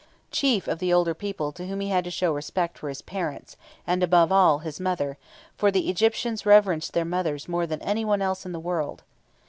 Chief of the older people to whom he had to show respect were his parents, and above all, his mother, for the Egyptians reverenced their mothers more than anyone else in the world.